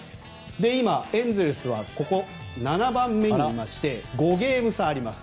今、エンゼルスはここ、７番目にいまして５ゲーム差あります。